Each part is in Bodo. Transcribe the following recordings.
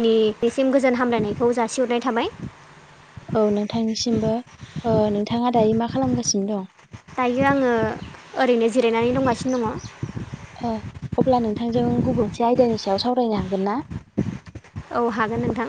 आनि बेसिम गोजोन हामलायनायखौ जासिहरनाय थाबाय औ नोंथांनिसिमबो ओ नोंथाङा दायो मा खालामगासिनो दं दायो आङो ओरैनो जिरायनानै दंगासिनो दङ' ओ अब्ला नोंथांजों गुबुनसे आयदानि सायाव सावरायनो हागोन ना औ हागोन नोंथां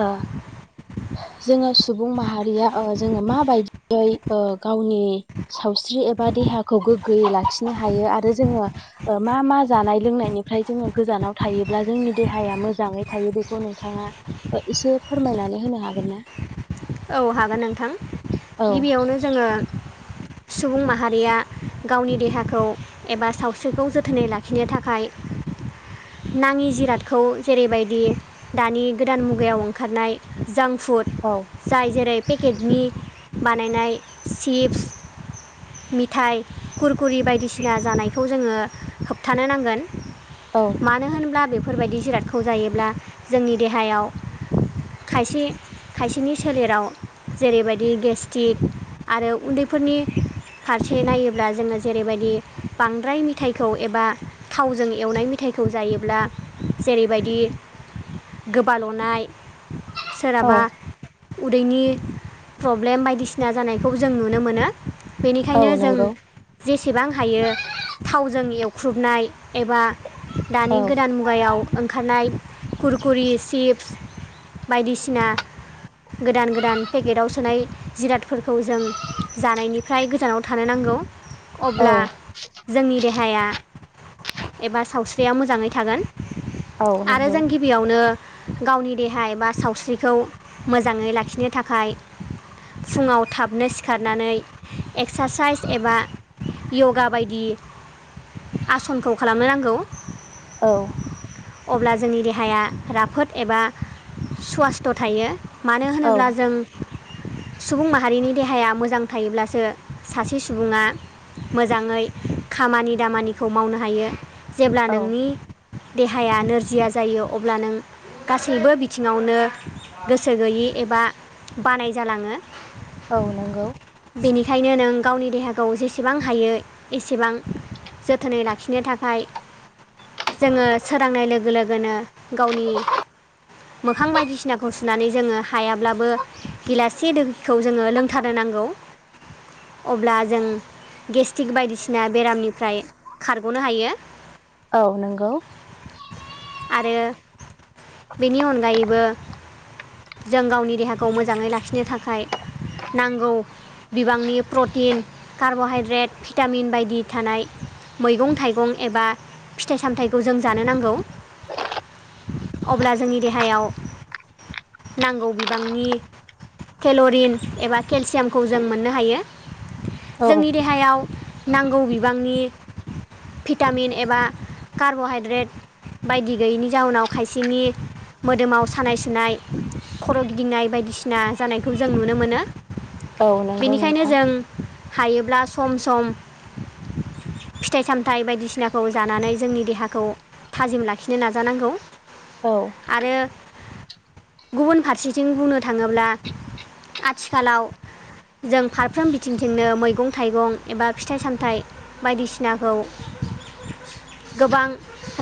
ओ जोङो सुबुं माहारिया ओ जोङो माबायदियै ओ गावनि सावस्रि एबा देहाखौ गोग्गोयै लाखिनो हायो आरो जोङो ओ मा मा जानाय लोंनायनिफ्राय जोङो गोजानाव थायोब्ला जोंनि देहाया मोजाङै थायो बेखौ नोंथाङा एसे फोरमायनानै होनो हागोन ना? औ हागोन नोंथां औ गिबियावनो जोङो सुबुं माहारिया गावनि देहाखौ एबा सावस्रिखौ जोथोनै लाखिनो थाखाय नाङि जिरादखौ जेरैबायदि दानि गोदान मुगायाव ओंखारनाय जां फुड औ जाय जेरै पेकेटनि बानायनाय चिप्स मिथाइ खुरखुरि बायदिसिना जानायखौ जोङो होबथानो नांगोन औ मानो होनब्ला बेफोर बेफोरबायदि जिरादखौ जायोब्ला जोंनि देहायाव खायसे खायसेनि सोलेराव जेरैबायदि गेस्ट्रिक आरो उन्दैफोरनि फारसे नायोब्ला जोङो जेरैबायदि बांद्राय मिथाइखौ एबा थावजों एवनाय मेथायाइखौ जायोब्ला जेरैबायदि गोबाल'नाय औ सोरहाबा उदैनि प्रब्लेम बायदिसिना जानायखौ जों नुनो मोनो औ बेनिखायनो जों नंगौ जेसेबां हायो थावजों एवख्रुबनाय एबा औ दानि गोदान मुगायाव ओंखारनाय खुरखुरि चिप्स बायदिसिना गोदान गोदान पेकेटआव सोनाय जिरादफोरखौ जों जानायनिफ्राय गोजानाव थानो नांगौ। औ अब्ला जोंनि देहाया एबा सावस्रिया मोजाङै थागोन। औ आरो नंगौ जों गिबियावनो गावनि देहा एबा सावस्रिखौ मोजाङै लाखिनो थाखाय फुङाव थाबनो सिखारनानै एक्सारसाइस एबा योगा बायदि आसनखौ खालामनो नांगौ। औ अब्ला जोंनि देहाया राफोद एबा स्वासथ' थायो। मानो होनोब्ला औ जों सुबुं माहारिनि देहाया मोजां थायोब्लासो सासे सुबुङा मोजाङै खामानि दामानिखौ मावनो हायो जेब्ला औ नोंनि देहाया नोरजिया जायो अब्ला नों गासैबो बिथिङावनो गोसो गैयि एबा बानाय जालाङो। औ नंगौ बेनिखायनो नों गावनि देहाखौ जेसेबां हायो एसेबां जोथोनै लाखिनो थाखाय जोङो सोरांनाय लोगो लोगोनो गावनि मोखां बायदिसिना खौ सुनानै जोङो हायाब्लाबो गिलाससे दैखौ जोङो लोंथारनो नांगौ। अब्ला जों गेस्टिक बायदिसिना बेरामनिफ्राय खारग'नो हायो। नोंगौ आरो बेनि अनगायैबो जों गावनि देहाखौ मोजाङै लाखिनो थाखाय नांगौ बिबांनि प्रटिन कार्ब'हाइद्रेट भिटामिन बायदि थानाय मैगं थाइगं एबा फिथाइ सामथायाइखौ जों जानो नांगौ। अब्ला जोंनि देहायाव नांगौ बिबांनि केल'रिन एबा केलसियामखौ जों मोननो हायो। औ जोंनि देहायाव नांगौ बिबांनि भिटामिन एबा कार्ब'हाइद्रेट बायदि गैयैनि जाउनाव खायसेनि मोदोमाव सानाय सु सुनाय खर' गिदिंनाय बायदिसिना जानायखौ जों नुनो मोनो। औ नंगौ बेनिखायनो नोंथां जों हायोब्ला सम सम फिथाइ सामथाइ बायदिसिनाखौ जानानै जोंनि देहाखौ थाजिम लाखिनो नाजानांगौ। औ आरो गुबुन फारसेथिं बुंनो थाङोब्ला आथिखालाव जों फारफ्रोम बिथिंजोंनो मैगं थाइगं एबा फिथाइ सामथाइ बायदिसिनाखौ गोबां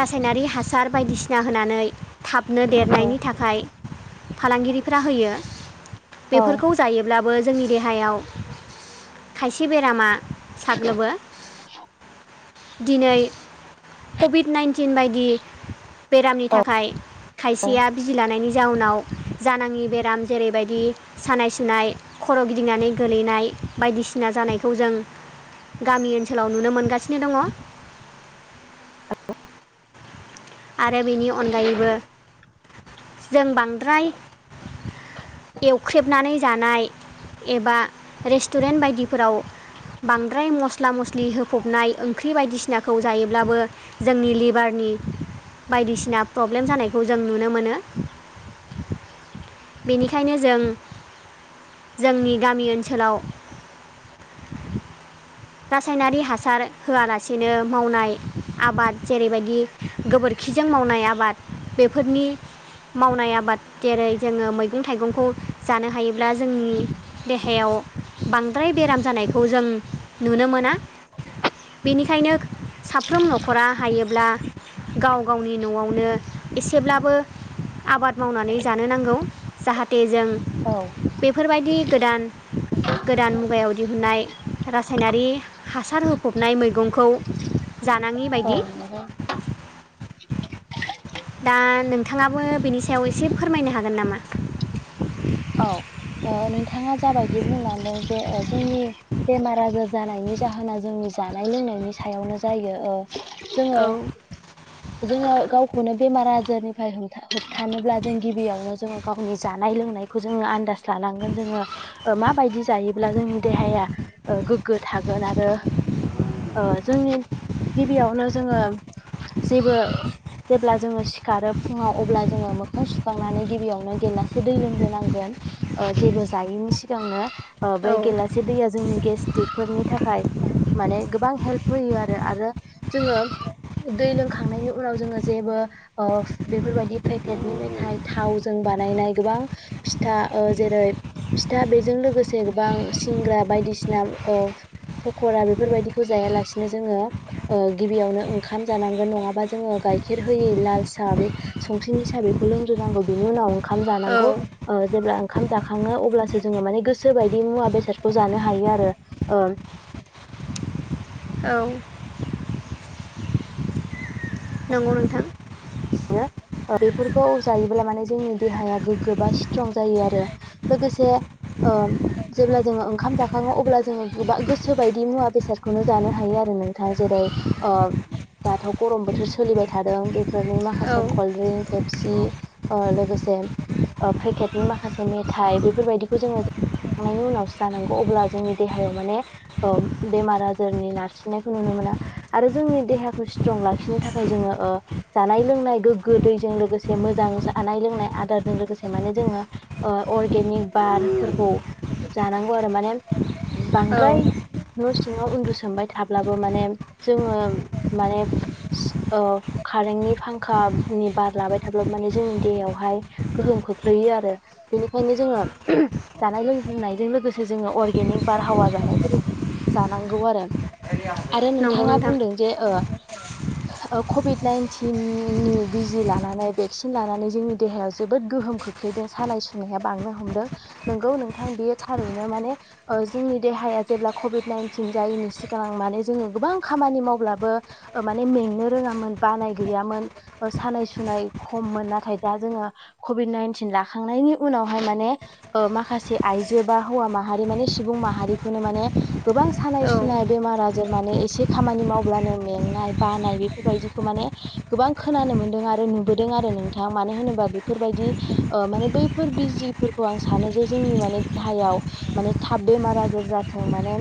रासायनारि हासार बायदिसिना होनानै थाबनो औ देरनायनि थाखाय फालांगिरिफ्रा होयो औ बेफोरखौ जायोब्लाबो जोंनि देहायाव खायसे बेरामा साग्लोबो दिनै कभिड नाइन्टिन बायदि बेरामनि थाखाय खायसेया जानायनि जाउनाव जानाङि बेराम जेरैबायदि सानाय सुनाय खर' गिदिंनानै गोलैनाय बायदिसिना जानायखौ जों गामि ओनसोलाव नुनो मोनगासिनो दङ। औ आरो बेनि अनगायैबो जों बांद्राय एवख्रेबनानै जानाय एबा रेस्टुरेन्ट बायदिफोराव बांद्राय मस्ला मस्लि होफबनाय ओंख्रि बायदिसिनाखौ जायोब्लाबो जोंनि लिभारनि बायदिसिना प्रब्लेम जानायखौ जों नुनो मोनो बेनिखायनो जों जोंनि गामि ओनसोलाव रासायनारि हासार होआलासेनो मावनाय आबाद जेरैबायदि गोबोरखिजों मावनाय आबाद बेफोरनि मावनाय आबाद जेरै जोङो मैगं थाइगंखौ जानो हायोब्ला जोंनि देहायाव बांद्राय बेराम जानायखौ जों नुनो मोना बेनिखायनो साफ्रोम न'खरा हायोब्ला गाव गावनि न'आवनो एसेब्लाबो आबाद मावनानै जानो नांगौ जाहाथे जों औ बेफोरबायदि गोदान गोदान मुगायाव दिहुनन्नाय रासायनारि हासार होफबनाय मैगंखौ जानाङि औ बायदि नोंथां दा नोंथाङाबो बेनि सायाव एसे फोरमायनो हागोन नामा औ ओ नोंथाङा जाबायदि बुंलांदों जे जोंनि बेमार आजार जानायनि जाहोना जोंनि जानाय लोंनायनि सायावनो जायो ओ जोङो औ जोङो गावखौनो बेमार आजारनिफ्राय हमथा होबथानोब्ला जों गिबियावनो जोङो गावनि जानाय लोंनाय खौ जोङो आन्दाज लानांगोन जोङो माबायदि जायोब्ला जोंनि देहाया ओ गोग्गो थागोन आरो ओ जोंनि गिबियावनो जोङो जेबो जेब्ला जोङो सिखारो फुङाव अब्ला जोङो मोखां सुखांनानै गिबियावनो गेलासे दै लोंग्रोनां गोन ओ जेबो जायिनि सिगांनो ओ बे औ गिलास एसे दैया जोंनि गेस्ट्रिकफोरनि थाखाय माने गोबां हेल्प होयो आरो आरो जोङो दै लोंखांनायनि उनाव जोङो जेबो ओ बेफोरबायदि पेकेटनि मेथाइ थावजों बानायनाय गोबां फिथा ओ जेरै फिथा बेजों लोगोसे गोबां सिंग्रा बायदिसिना ओ फकरा बेफोरबायदिखौ जायालासिनो जोङो ओ गिबियावनो ओंखाम जानांगोन नङाबा जोङो गाइखेर होयै लाल साहा बे संख्रिनि साहा बेखौ लोंग्रोनांगौ बिनि उनाव ओंखाम जानांगौ औ ओ जेब्ला ओंखाम जाखाङो अब्लासो जोङो माने गोसो बायदि मुवा बेसादखौ जानो हायो आरो ओ औ नंगौ नोंथां [unintelligible] बेफोरखौ जायोब्ला माने जोंनि देहाया गोग्गो बा स्ट्रं जायो आरो लोगोसे ओ जेब्ला जोङो ओंखाम जाखाङो अब्ला जोङो गोबा गोसो बायदि मुवा बेसादखौनो जानो हायो आरो नोंथां जेरै अ दाथ' गरम बोथोर सोलिबाय थादों बेफोरनि मा औ खासे कलड्रिंक पेपसि ओ लोगोसे ओ पेकेटनि माखासे मेथाइ बेफोरबायदिखौ जोङो थांनायनि उनावसो जानांगौ अब्ला जोंनि देहायाव माने बेमार आजारनि नारसिननायखौ नुनो मोना आरो जोंनि देहाखौ स्ट्रं लाखिनो थाखाय जोङो ओ जानाय लोंनाय गोग्गो दैजों लोगोसे मोजां जानाय लोंनाय आदारजों लोगोसे माने जोङो ओ अर्गेनिक बारफोरखौ जानांगौ आरो माने औ बांद्राय न' सिङाव उन्दुसोमबाय थाब्लाबो माने जोङो माने कारेन्टनि फांखा [unintelligible] नि बार लाबाय थाब्ला माने जोंनि देहायावहाय गोहोम खोख्लैयो आरो बेनिखायनो जोङो जानाय लोंजनायजों लोगोसे जोङो अर्गेनिक बारहावा जानायफोर जानांगौ आरो आरो नंगौ नोंथाङा नोंथां बुंदों जे कभिड नाइन्टिन नि बिजि लानानै भेक्सिन लानानै जोंनि देहायाव जोबोद गोहोम खोख्लैदों सानाय सुनाया बांनो हमदों नोंगौ नोंथां बेयो थारैनो माने जोंनि देहाया जेब्ला कभिड नाइनटिन जायैनि सिगां माने जोङो गोबां खामानि मावब्लाबो माने मेंनो रोङामोन बानाय गैयामोन सानाय सुनाय खममोन नाथाय दा जोङो कभिड नाइनटिन लाखांनायनि उनावहाय माने माखासे आइजो बा हौवा माहारि माने सुबुं माहारिखौनो माने गोबां सानाय औ सुनाय बेमार आजार माने एसे खामानि मावब्लानो मेंनाय बानाय बेफोरबायदिखौ माने गोबां खोनानो मोन्दों आरो नुबोदों आरो नोंथां मानो होनोबा बेफोरबायदि माने बैफोर बिजिफोरखौ आं सानो जे जोंनि माने देहायाव माने थाब बेमार आजार जाथों माने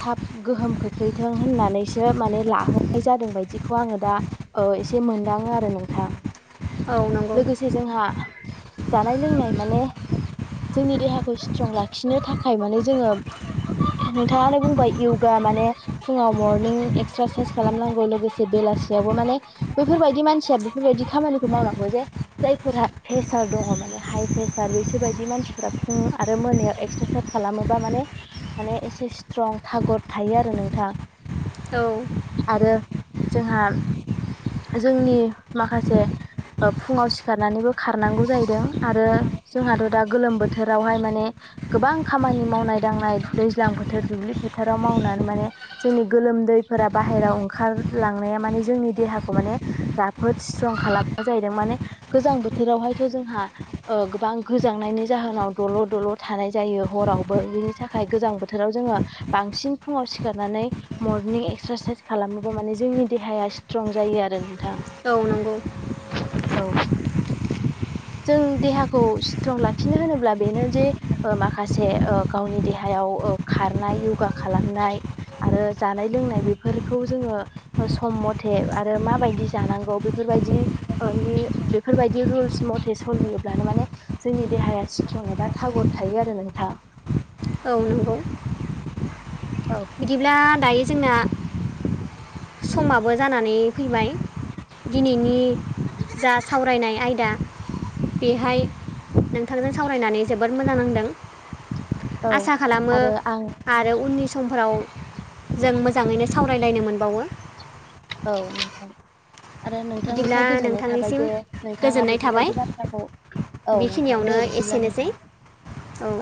थाब गोहोम खोख्लैथों होननानैसो माने लाहोनाय जादों बायदिखौ आङो दा एसे मोनदाङो आरो नोंथां औ नंगौ लोगोसे जोंहा जानाय लोंनाय माने जोंनि देहाखौ स्ट्रं लाखिनो थाखाय माने जोङो नोंथाङानो बुंबाय यगा माने फुङाव मरनिं एक्सारसाइस खालामनांगौ लोगोसे बेलासियावबो माने बैफोरबायदि मानसिया बेफोरबायदि खामानिखौ मावनांगौ जे जायफोराहा प्रेसार दङ माने हाइ प्रेसार बैसोर बायदि मानसिफोरा फुं आरो मोनायाव एक्सरेसाइस खालामोबा माने माने एसे स्ट्रं थागत थायो आरो नोंथां औ आरो जोंहा जोंनि माखासे फुङाव सिखारनानैबो खारनांगौ जाहैदों आरो जोंहाथ' दा गोलोम बोथोरावहाय माने गोबां खामानि मावनाय दांनाय दैज्लां बोथोर दुब्लि फोथाराव मावनानै माने जोंनि गोलोमदैफोरा बाहेरायाव ओंखारलांनाया माने जोंनि देहाखौ माने राफोद स्ट्रं खालामो जाहैदों माने गोजां बोथोरावहायथ' जोंहा गोबां गोजांनायनि जाहोनाव दल' दल' थानाय जायो हरावबो बिनि थाखाय गोजां बोथोराव जोङो बांसिन फुङाव सिखारनानै मर्निं एक्सरेसाइस खालामोबा माने जोंनि देहाया स्ट्रं जायो आरो नोंथां औ नंगौ औ जों देहाखौ स्ट्रं लाखिनो होनोब्ला बेनो जे माखासे गावनि देहायाव खारनाय यगा खालामनाय आरो जानाय लोंनाय बेफोरखौ जोङो सम मथे आरो माबायदि जानांगौ बेफोरबायदि बेफोरबायदि रुल्स मथे सलियोब्लानो माने जोंनि देहाया इसट्रं एबा थागद थायो आरो नोंथां औ नंगौ औ बिदिब्ला दायो जोंना समाबो जानानै फैबाय दिनैनि जा सावरायनाय आयदा बेहाय नोंथांजों सावरायनानै जोबोद मोजां नांदों औ आसा खालामो आरो आं आरो उननि सम फोराव जों मोजाङैनो सावरायलायनो मोनबावो औ नोंथां आरो बिदिब्ला नोंथांनिफ्राय गोजोननाय थाबाय नोंथांनिसिम जे नोंथाङा गोजोननाय थाबाय बेफोरबायदि बाथ्राखौ औ नोंथां दे बेखिनियावनो बिदिब्ला एसेनोसै नोंथां औ